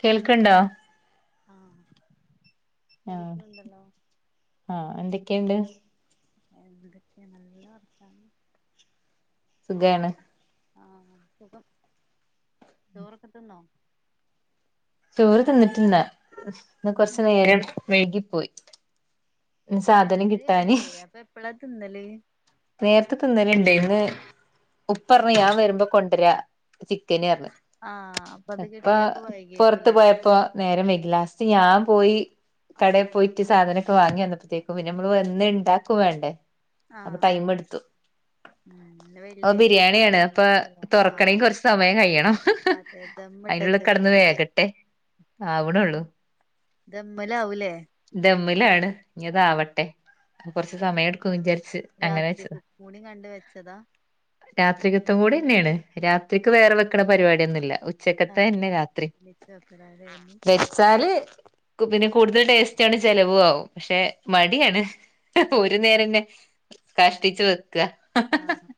കേൾക്കണ്ടോ ആ ആ ആ എന്തൊക്കെണ്ട് എന്തൊക്ക്യേ നല്ല വർത്താനം സുഖേണ് ആ സുഖം ചോറൊക്കെത്തിന്നോ ചോറ് തിന്നിട്ടുണ്ട് ഇന്ന് കൊറച്ച് ഉം നേരം വൈകിപ്പോയി സാധനം കിട്ടാന് ഇന്നലെ നേര്ത്തെ തിന്നലിണ്ട് ഇന്ന് ഉപ്പർഞ്ഞ് ഞാൻ വരുമ്പോ കൊണ്ടര ചിക്കനർഞ് ആഹ് അപ്പൊ അത് ഇപ്പ കിട്ടിയപ്പോ പൊറത്ത് വൈകിയേക്കുല്ലേ പോയപ്പോ നേരം വൈ ലാസ്റ്റ് ഞാൻ പോയി കടേ പോയിറ്റ് സാധനൊക്കെ വാങ്ങി വന്നപ്പത്തേക്കും പിന്നെ നമ്മള് വന്ന്ണ്ടാക്കും വേണ്ടേ. ആ ടൈമെടുത്തു ഉം ഓ വെള്ളിയാഴ്ച ആയിട്ട് എന്താ ബിരിയാണിയാണ് പ്പൊ സ്പെഷ്യലോ ആഹ് തൊറക്കെണെങ്കിൽ കൊറച്ച് സമയം കയണം അതെ അതിനുള്ള കട ന്ന് ദമ്മിട്ടച്ചക്കാവൂല്ലേ വേകട്ടെ, ആവണൊള്ളു. ഇമ്മലാവു ധമ്മിലാണ് ഇഞ്ഞതാവട്ടെ. ഉം കൊറച്ചു സമയം എടുക്കുന്ന് വിചാരിച്ച്. അങ്ങനെ രാത്രിക്ക് കൂടി കണ്ട് വെച്ചതാ? രാത്രികത്തം കൂടി ന്നേണ്. രാത്രിക്ക് വേറെ വെക്ക്ണ പരിപാടിയൊന്നുല്ല. ആഹ് ഉച്ചക്കത്തെന്നെ രാത്രി. വെച്ചതായിരുന്നു വെച്ചാല് കു പിന്നെ കൂടുതൽ ടേസ്റ്റാണ് ചെലവാകും. പക്ഷെ ആഹ് മടിയാണ് ഒരു നേരംതന്നെ കഷ്ടിച്ചു വെ ക്ക ഹ ഹ ഹ ആഹ്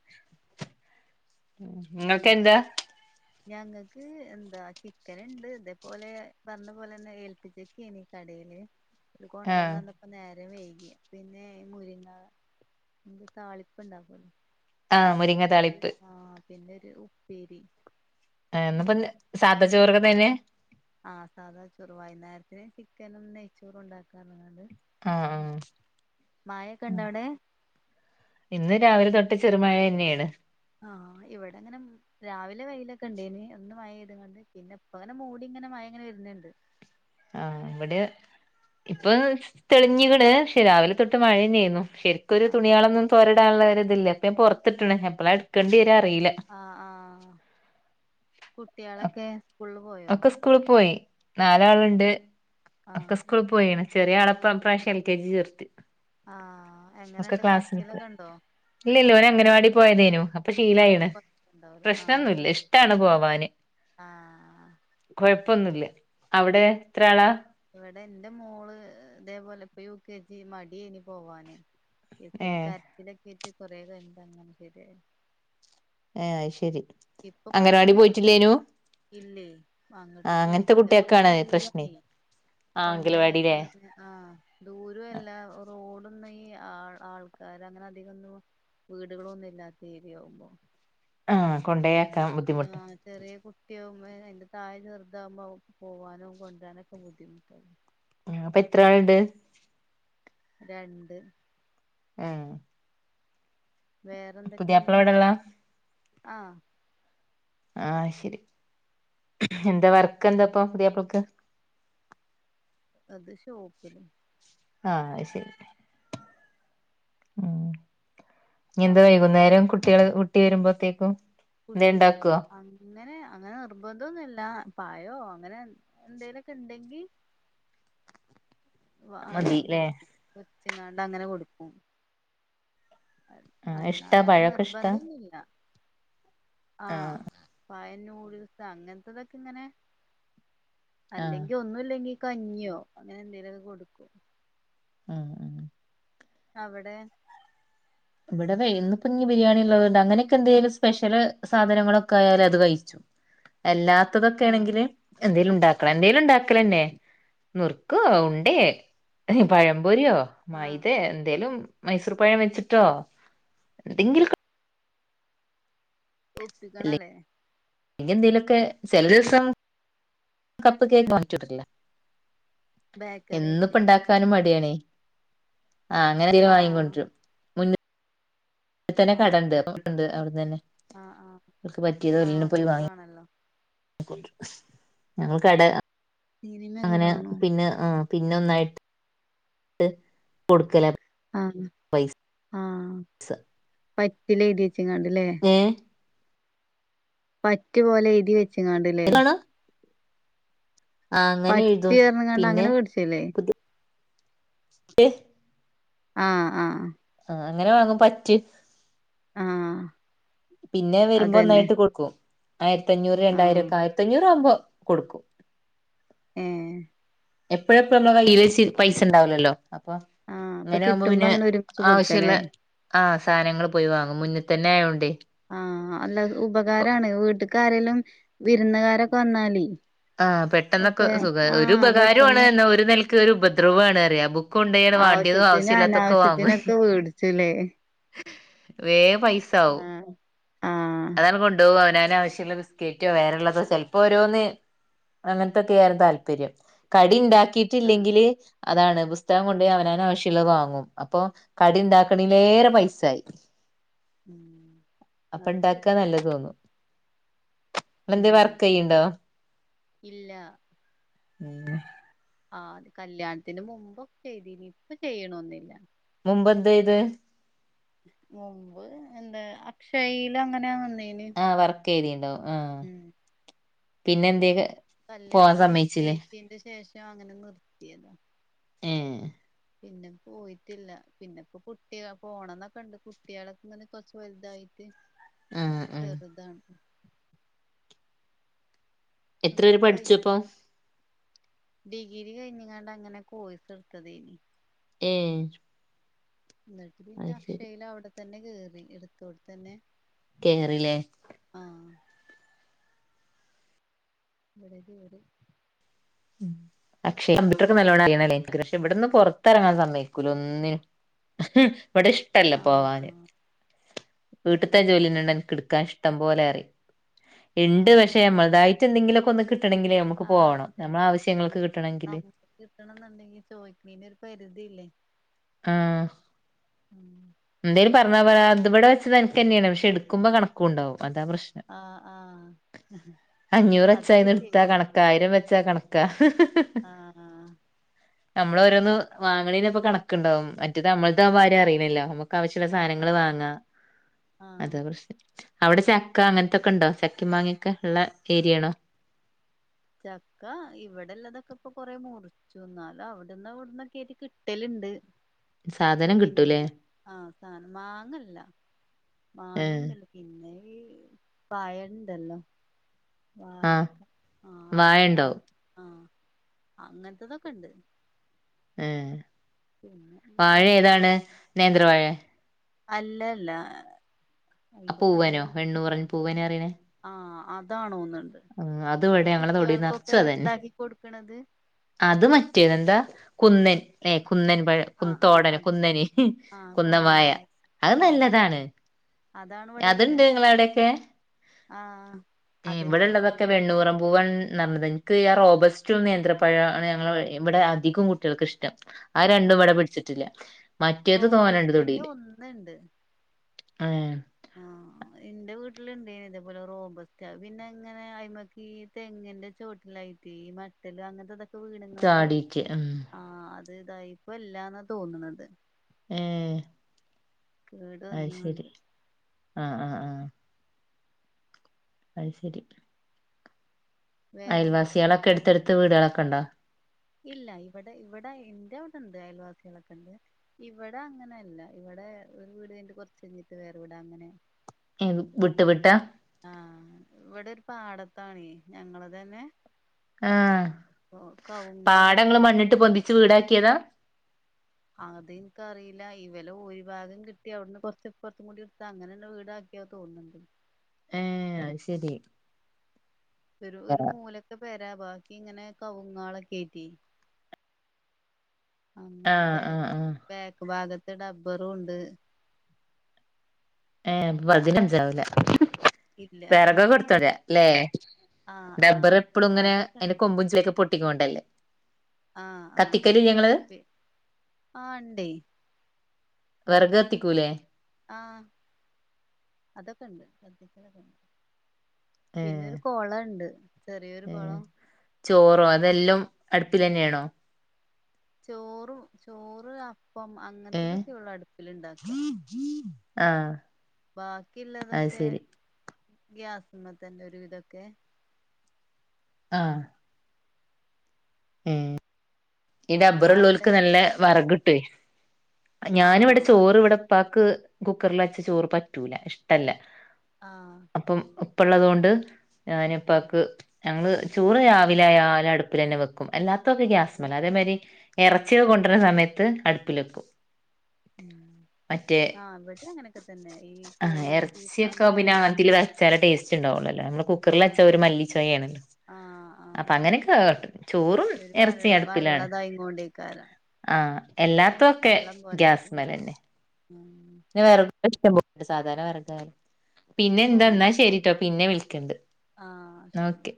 അങ്ങനെ ഇങ്ങക്കെന്താ? ഞങ്ങക്ക് എന്താ ചിക്ക ന്ണ്ട് ഇതേപോലെ പറഞ്ഞ പോലെന്നെ ഏൽപ്പിച്ച്ക്കേണ് കട [inaudible] ഇത് ആഹ് കൊണ്ടന്നന്നപ്പോ നേ രം വൈകി പിന്നെ മുരിങ്ങ എന്ത താളിപ്പ്ണ്ടാക്കല്ലോ? ആഹ് അതും മുരിങ്ങ പിന്നെ താളിപ്പ് ആ പിന്നൊരു ഉപ്പേരി. ഇ എന്നപ്പ ഇതന്നെ ന്ന് സാധ പിന്നെ ചോറൊക്കെ വൈന്നാരം തന്നെ? ആ സാധാ ചോറ് വൈന്നേരത്തിന് ചിക്കനും നെയ്ച്ചോറും ണ്ടാക്കാറ്ള്ളത്. ആഹ ആ മഴൊക്കെണ്ടോ അവിടെ ഇന്ന് രാവിലെ തൊട്ട് പ്പ ചെറു മയെന്നേണ്. ആ ഇവടെങ്ങനെ രാവിലെ വെയിലൊക്കെണ്ടേനി ഒന്ന് മഴ യ്ത്ങണ്ട് പിന്നെ പ്പങ്ങനെ മൂടി പ്പ ങ്ങനെ മയങ്ങനെ വരുന്ന്ണ്ട്. ആഹ ഇവിടെ ഇപ്പോ തെളിഞ്ഞ്ക്ക്ണ് പക്ഷെ രാവിലെ തൊട്ട് മഴന്നേന്നു. ശരിക്കൊരു ആ തുണിയളൊന്നും തോരിടാനുള്ളള്ളരിതില്ല പ്പ ഞാ പുറത്തിട്ടാണ് എപ്പളാ എടുക്കേണ്ടി വരാ അറിയില്ല ആഹ് ആഹ് കുട്ടികളൊക്കെ സ്കൂളു ഒക്കെ സ്കൂള് പോയി. നാലാളുണ്ട്. ഒക്കെ ആഹ് സ്കൂള് പോയിണ്. ചെറിയ ആള് പ ആഹ് പ്രാവശ്യം എൽ കെ ജി ചേർത്തി. ആഹ് ഒക്കെ എങ്ങനെണ്ട് ക്ലാസ്സി പോ കരച്ചിലൊക്കെ ഉണ്ടോ ഇല്ല ല്ല ഓന ങ്ങനവാടി പോയതെനു അപ്പൊ ശീലായിണ്. കൊഴപ്പണ്ടാവൂല ആഹ് പ്രശ്നൊന്നുല്ല ഷ്ടാണ് പോവാന്. ആഹ് പ്പൊന്നുല്ല. ഇവിടെ എന്റെ മോള് ഇതേപോലെ പ്പ യു ജി മടി യേനി പോവാന് യു കെ ജി ഏഹ് കരച്ചിലൊക്കെയിറ്റ് കൊറേത് എന്താങ്ങനെ ചെയ്ത്? ആഹ് ശരി അംഗനവാടി കൊഴപ്പൊന്നുല്ല പോയിട്ടില്ലേനു? ഇല്ലേ അങ്ങോട്ട് ആഹ് അങ്ങനത്തെ പോയിട്ടില്ല, കൊറച്ച് കുട്ടികൾക്കാണ് പ്രശ്നേ ദൂരണ്ട്. ആഹ് അംഗലവാടില്ലേ കൊണ്ടേക്കെണ്ടെ ആഹ് ദൂരൊല്ല റോഡൊന്നും ഈ ആ ആൾക്കാരങ്ങനെ അധികൊന്നും വീടുകളൊന്നുല്ലാത്ത ഏരിയായിരുന്നു. ആവുമ്പോ ആഹ് പിന്നെ കൊണ്ടയാക്കാൻ കുട്ടി ബുദ്ധിമുട്ട് ആഹ് ചെറിയ കുട്ടിയാ എന്റെ താഴെ ചെറ്താകുമ്പോ പോവാനോ കൊണ്ടരാനോ ക്കെ ബുദ്ധിമുട്ടാ. അപ്പൊ എത്രാള്ണ്ട്? രണ്ട്. ആഹ് വേറെന്തൊക്കെണ്ട്? എവിടെള്ള ആഹ് ആ ശരി. എന്ത വർക്കെന്താ പ്പോ പുതിയപ്പൾക്ക്? അത് ഷോപ്പിൽ ആഹ് അ ശരി ഉം എന്ത് അവിടെ വൈകുന്നേരം കുട്ടികൾ കുട്ടി വരുമ്പോത്തേക്കും എന്തേ കുട്ടിക്ക് ഉണ്ടാക്കുവോ അങ്ങനെ അങ്ങനെ നിർബന്ധൊന്നുംല്ല പായ അങ്ങനെ എന്തേലൊക്കെ ഉണ്ടെങ്കി അങ്ങനെ മതില്ലേ കൊടുക്കും കൊച്ചങ്ങാണ്ട് അങ്ങനെ കൊടുക്കും ആഹ് അല്ല ഇഷ്ടാ അല്ലാതെ പഴൊക്കെ ഇഷ്ടാ നിർബന്ധ ഇല്ല ആഹ ആഹ് പയനൂഡിൽസ് അങ്ങനത്തെതൊക്കെ ഇങ്ങനെ ആഹ് അല്ലെങ്കി ഒന്നുംല്ലെങ്കി കഞ്ഞിയോ അങ്ങനെ എന്തേലുമൊക്കെ കൊടുക്കും ആഹ ഉ അവിടെ ഇവിടെ വ ഇന്ന് ഇപ്പ ഇ ബിരിയാണി ഉള്ളത്ണ്ട് അങ്ങനെയൊക്കെ എന്തെിലും സ്പെഷ്യൽ സാധനങ്ങളൊക്കെ ആയാല അത് കഴിച്ചു അല്ലാത്തതൊക്കെ ആ ആണെങ്കില് എന്തെലും ഉണ്ടാക്കല എന്തേലും ഉണ്ടാക്കലന്നെ നുറുക്ക ഉണ്ടേ പഴപൊരിയോ ആ മൈത എന്തേലും മൈസൂർ പഴം വെച്ചിട്ടോ ഉം എന്തെങ്കിലും ഒപ്പിക്കണല്ലേ എങ്ക എന്തെേലൊക്കെ ചില ദിവസം കപ്പ് കേക്ക് വാങ്ങിച്ചിട്ടില്ലേ ബേക്കറി എന്നിപ്പ ആയിട്ട് ഉണ്ടാക്കാനും മടിയണേ ആ അങ്ങനെ വാങ്ങ ആഹ് കൊണ്ടര അവിത്തന്നെ കടുണ്ട് ആഹ് പട്ടുണ്ട് അവിടുന്ന് തന്നെ ആഹ് ആഹ് അവർക്ക് പറ്റിയത് ഒല്ലിന ആഹ് പോയി വാങ്ങി സുഖാണല്ലോ ഞങ്ങൾക്ക് ഇട സിനിമയൊക്കെ അങ്ങനെ കാണോ പിന്നെ ആ പിന്നെ ഒന്നായിട്ട് കൊടുക്കല ആ ആ സ പറ്റില്ല എഴതി വെച്ചങ്ങാണ്ടല്ലേ പറ്റുപോലെ എതി വെച്ചങ്ങാണ്ടില്ലേ ആണോ ആ അങ്ങനെ പറ്റി എഴുതും കറന്ന കണ്ട പിന്നെ അങ്ങനെ പേടിച്ചല്ലേ പുതി ആ ആ അങ്ങനെ വാങ്ങ പറ്റ ആ പിന്നെ വരുമ്പോ ഒന്നായിട്ട് കൊടുക്കും ആയിരത്തിഞ്ഞൂറ് ആഹ് രണ്ടായിരംക്കെ ആയിരത്തഞ്ഞൂറ ആവുമ്പോ കൊടുക്കും ആ എപ്പോഴെപ്പോഴും നമ്മ ഇലേച്ചി പൈസ ഉണ്ടാവില്ലല്ലോ അപ്പൊ ആഹ് അപ്പൊ ഇങ്ങനെ ആകുമ്പോ കിട്ടുമ്പോ പിന്നെ അങ്ങനെ ഒരുമിച്ച് ആവശ്യമുള്ള കൊടുക്കല്ലേ ആ സാധനങ്ങൾ പോയി വാങ്ങും മുന്ന തന്നെ ആയോണ്ടെ ആ അല്ല ഉപകാരമാണ് വീട്ടക്കാരേലും വിരുന്നുകാരൊക്കെ വന്നാലേ ആ പെട്ടെന്നൊക്കെ ഒക്കെ സുഖ ഒരു ആഹ് ഉപകാരമാണ് പെട്ടെന്ന് എന്നാ ഒരു നിലക്ക് ഒരു ഉപദ്രവമാണ് അറിയ കൊണ്ട്യാൻ വാണ്ടിയതും ആവശ്യ ആവശ്യത്തിനും ഇല്ലാത്തൊക്കെ വാങ്ങ അനാവശ്യത്തിനൊക്കെ വേടിച്ചുല്ലേ വേ പൈസ ആവും ആഹ് ആഹ് അതല്ല കൊണ്ടുപോകും അവന വശ്യമുള്ള ബിസ്ക്കറ്റോ വേ ഉള്ളോ ചപ്പോ ഓരോന്ന് അങ്ങനത്തൊക്കെയ ആരുന്നു താല്പര്യം കടി ആഹ് ഉണ്ടാക്കിട്ടില്ലെങ്കില് അതാണ് ഇഷ്ടം കൊണ്ട ഉം അവനാന ആവശ്യമുള്ളത് വാങ്ങും അപ്പൊ കടുണ്ടാക്കണല ഏറെ പൈസായി ഉം അപ്പൊ അത് ശരി ഉണ്ടാക്കാ നല്ലത് തോന്നു ന എന്ത് വർക്ക് ഉം ചെയയ്യണ്ടോ ഇല്ല ഉം ആ അ കല്യാണത്തിന് മുമ്പക്കെ ചെയ്തിനി ഇപ്പ ചെയ്യണന്നില്ല മുമ്പ് എന്തായ്തേ മുമ്പ് എന്താ അക്ഷയ്യില അങ്ങനെന്ന ആ വർക്ക് എഴുതിയണ്ട് ഉം എന്തേ പിന്നെ പോവാൻ കല്യാണം സമ്മയിച്ചില്ലേ നിശ്ചയിച്ചീന്റെ ശേഷം അങ്ങനെ നിർത്തിയതാ ഏ പിന്നെ പോയിട്ടില്ല പിന്നെ ഇപ്പോ കുട്ടിക പോണംന്നൊക്കെ ഇണ്ട് കുട്ടികളൊക്കെ ഇങ്ങനെ കൊറച്ച വലുതായിട്ട് ആ ആ ചെറുതാണ് എത്ര പേര് അതൊക്കെ കഴിഞ്ഞ് പഠിച്ചുപ്പൊ ഡിഗ്രി കഴിഞ്ഞുകണ്ട അങ്ങനെ കോഴസ് എടുത്തത്നി ഏ എന്നിട്ട് പിന്നെ അത് ശരി അക്ഷൽ അവിടെത്തന്നെ കറി എടുത്തോടെ തന്നെ കേറിലേ ആഹ് ഇടെത് ഇടി ഉം അക്ഷെ കമ്പ്യൂട്ടർ ഒക്കെ നല്ലണംല്ലേ പക്ഷെ ഇവിടുന്ന് പുറത്തിറങ്ങാൻ സമക്കൂല ഒന്നിനും ഇവിടെ ഇഷ്ടല്ല ആഹ് പോവാാന് വീട്ടത്തെ അല്ലല്ലേ ജോലിന്നണ്ട എനിക്ക് എടുക്കാൻ ഇഷ്ടം ഇ്ടം പോലെ അറി ഉണ്ട് പക്ഷെ ആഹ് നമ്മളതായിട്ട് എന്തെങ്കിലുമൊക്കെ ഒന്ന് കിട്ടണെങ്കിൽ നമുക്ക് പോവണം ആ നമുക്ക് കിട്ടണം എന്നുണ്ടെങ്കിൽ ചോദിക്കണീന്റെ ഒരു പരിധിയില്ലേ ആഹ എന്തേര് പറ പറഞ്ഞാല അത്വിടെ വെത് എനിക്ക് തന്നെയാണ് പക്ഷെ എടുക്കുമ്പോ കണക്കുംണ്ടാവും അതാ പ്രശ്നം ആഹ് ആഹ് അഞ്ഞൂറ് വെച്ച അതൊക്കെ ഇന്ന് എടുത്താ കണക്കായിരം വെച്ചാ കണ ക ആഹ നമ്മള ഓരോന്ന് വാങ്ങണീപ്പ കണക്കണ്ടാവും മറ്റേ നമ്മൾ ആകൻ ഭാര്യം അറിയണല്ലോ വശ്യമുള്ള ആഹ് സാധനങ്ങൾ ആഹ് വാങ്ങാം അത ആഹ് പ്രശ അവിടെ ചക്ക അങ്ങനത്തൊക്കെ ഉണ്ടോ ചക്കി മാങ്ങിയൊക്കെ ഉള്ള ഏരിയണോ ചക്ക ഇവിടെള്ളതൊക്കെ ഇപ്പൊ കൊറെ മുറിച്ചു എന്നാലും അവിടന്ന് ഇവിടന്ന് കേറ്റ കിട്ടലിണ്ട് സാധനം കിട്ടൂലേ പിന്നെ ആഹ സാധനം മാങ്ങല്ല ഏഹ് മാങ്ങിയൊന്നില്ല പിന്നെ പായണ്ടല്ലോ വക്ക വായണ്ടോ ആ അങ്ങനത്തതൊക്കെ ഇണ്ട് ഉം വാഴ മഞ്ഞള് ഏതാണ് നേന്ത്രവാാഴ അല്ലല്ല ആ അയിന്റെ പൂവനോ വെണ്ണു പറഞ്ഞഞ് പൂവനോ അറിയനെ അതാണോന്നണ്ട് ഈ ഞങ്ങളെ തൊടി കുട്ടികൾക്കൊക്കെ നറച്ചും അതന്നെ ഉണ്ടാക്കി കൊടുക്കണത് അത് മറ്റേത് എന്താ കുന്നൻ ല കുന്നൻ പഴ ആഹ് ആഹ് കന്തോടന് അതെ കുന്നന് ആഹ് കുന്നം കുന്നമായായ വായ അത് ആഹ് നല്ലതാണ് അതാണ് അതുണ്ട് ഇവിടെല്ലത് നിങ്ങള അവിടെയൊക്കെ ആഹ അതെ ള്ളതൊക്കെ വെണ്ണുറമ്പൂവൻ ഞ്ഞത് എനിക്ക് റെ ഓഗസ്റ്റ നേിയന്ത്രപ്പഴാണ് ഞങ്ങൾ ഇവിടെ അധികം കുട്ടികൾക്ക് ഇഷ്ടം ആ രണ്ടും ആഹ് ഇവിടെ പിടിച്ചിട്ടില്ല മറ്റേത് തോന്നണ്ട് റോബസ്റ്റിന്റെ തുൊടിയില് ആഹ ആഹ എന്റെ വീട്ടിലുണ്ടേ ഇതേപോലെ റോംബസ്റ്റ പിന്നെ ഇങ്ങനെ അ്മക്ക് ഈ തെങ്ങിന്റെ ചോട്ടിലായി മട്ടല് അങ്ങനത്തെത ണങ്ങാണ്ട് ചാടീറ്റ് ഉം ആഹ അത് ഇത ഇപ്പല്ലാന്നാ തോന്നണുന്നത് ഉം കേട് വന്ന വണ്ട് ആഹ് ആഹ ആഹ അത് ശരി വേറെന്ത അയൽവാസിലൊക്കെ എടുത്‌ എടുത് വീടുകളൊക്കെണ്ടോ ഇല്ല ഇവിടെ ഇവിടെ ന്റവുടെ ണ്ട് അയൽവാസികളൊക്കെണ്ട് ഇവിടെ അങ്ങനെയില്ല ഇവി ഇവിടെ ഒര് വീട് കഴിഞ്ഞിട്ട് കൊറച് കഴിഞ്ഞിട്ട് വേറെ വീട് അങ്ങനെ ഉം വിട്ടു വിട്ടാ ആഹ് ഇവിടെ ഒരു പാടത്താണേ ഞങ്ങളതന്നെ ആ പാടം ങ്ങള് ഇതൊക്കെ മണ്ണിട്ട് പൊന്തിച്ച് വീടാകീതാ അതിന്കറീല ഇവലെ ഓരിഭാഗം കിട്ടി അവിടെന്ന് കൊറച് ഇപ്പറതികൂടി ഇടതാ അങ്ങനള്ള വീടാ ട്ടോ തോന്നിണ്ട് ആ അത് ശരി ഒരു ഒരു ആഹ് മൂലത്തെ പേരാവ കവുങ്ങളെക്കായിട്ടെ അങ്ങനെ ബാക്ക് ആഹ് ആഹ് ബാക്ക് ഭാഗത്ത് ഡബ്ബറുണ്ട് ഏ പതിനഞ്ചാവുല ഇല്ല വേറാകക്കെ ഇടത്ത് പോരാ ല്ലെ ആഹ് ആഹ് റബ്ബറെപ്പളുങ്ങനെ അതൊക്കെ അയിന്റെ കൊമ്പും പൊട്ടികൊണ്ടല്ലേ ആ ആ പി ആ ണ്ട് വിറക് കത്തിക്കൂലേ ആ അതൊക്കെ ണ്ട് കത്തിക്കലൊക്കേണ്ട് പിന്നെ ഒരു കൊളം ണ്ട് ചെറിയൊരു ഏ ചോറോ അതെല്ലും അടുപ്പിലെന്നെണോ ചോറും ചോറ് അപ്പം ഏഹ് അങ്ങൻത്തതൊക്കെ യുള്ളൂ അടുപ്പിലെണ്ടാക്ക ആ ബാക്കിള്ളതൊക്കെ ഗ്യസ്മ്മതന്നെ ഒരുവിതക്കെ ആ ഉം ഈ റബ്ബറിലോൾക്കു അവിടെ നല്ല വിറക് ട്ടെ ഞാന് ഇവിടെ ആഹ് ആഹ് ചോറ് ഇവിടെ ഇപ്പാക് കുക്കറിൽ വെച്ച ചോറ് പറ്റൂല ഇഷ്ട്ടല്ലാ അപ്പം ഉപ്പള്ളതോണ്ട് ഞാന് ഉം ഇപ്പാക് ഞങ്ങള് ചോറ് രാവിലെയ ആ അടുപ്പിലെന്നെ വക്കും എല്ലാത്തതൊക്കെ ആഹ് ഗ്യസ്മ്മലാ അതെ മാരി ഇറച്ചിക്കെ കൊണ്ട്രാ സമയത്ത് അടുപ്പിലേക്കും ഉം ആ ഇവിടെ അങ്ങനെക്കെ തന്നെ ഈ ആ കോഴി ബീഫ് ഇറച്ചിയൊക്കെ അങ്ങനെക്കെണ്ടാവുംമ്പം പൊള്ളല്ല ഞമ്മളെ കുക്കറിൽ വെച്ചാഒരു മല്ലി ചെയാ ആഹ് ആഹ് ചോറും ഒരു ഇറച്ചി വള്ള അടുപ്പിലാണ് വെള്ളതായിങ്ങോണ്ടേക്കാരം ആ എല്ലാത്തതൊക്കെ വെള്ളം പോലെ ഗ്യസ് വെക്കും മ്മലെന്നെ ആഹ് സാധാരണ വേറാകയാലും പിന്നെന്താ ഇന്നാ ശരിട്ടോ പിന്നെ വിളിക്കണ്ട് ആ ശരി ഓക്കെ